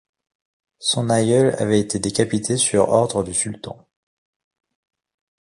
Son aïeul avait été décapité sur ordre du sultan.